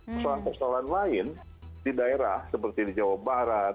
kesalahan kesalahan lain di daerah seperti di jawa barat